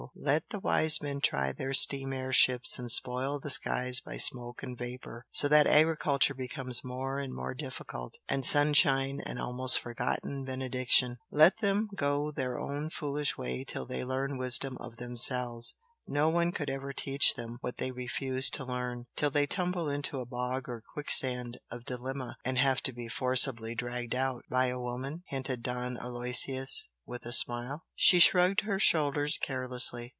Let the wise men try their steam air ships and spoil the skies by smoke and vapour, so that agriculture becomes more and more difficult, and sunshine an almost forgotten benediction! let them go their own foolish way till they learn wisdom of themselves no one could ever teach them what they refuse to learn, till they tumble into a bog or quicksand of dilemma and have to be forcibly dragged out." "By a woman?" hinted Don Aloysius, with a smile. She shrugged her shoulders carelessly.